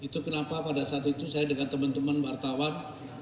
itu kenapa pada saat itu saya dengan teman teman wartawan